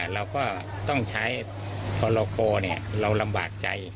เราก็ต้องใช้โปรโลโกรธ์เราลำบากใจ